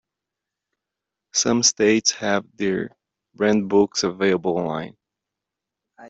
Some states have their Brand Books available online.